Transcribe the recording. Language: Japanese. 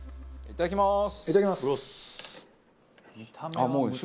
いただきます。